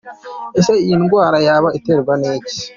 Ese iyi ndwara yaba iterwa n’iki?.